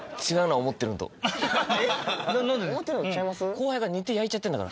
後輩が煮て焼いちゃってんだから。